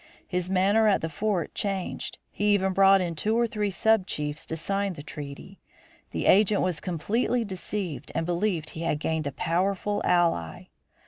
His manner at the Fort changed. He even brought in two or three sub chiefs to sign the treaty. The agent was completely deceived and believed he had gained a powerful ally.